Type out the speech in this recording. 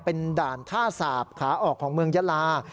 เป็นด่านท่าสาปขาออกของเมืองยาลา